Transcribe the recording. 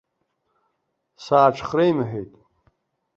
Сааҽхреимҳәеит.